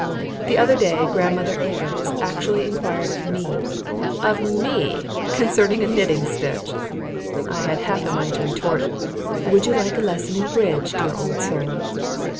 The other day Grandmother Evarts actually inquired of me, of ME! concerning a knitting stitch. I had half a mind to retort, "Would you like a lesson in bridge, dear old soul?"